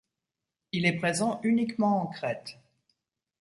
Il est présent uniquement en Crète.